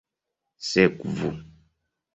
sekvu